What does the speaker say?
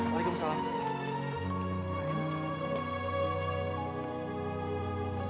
pak rajab menunggu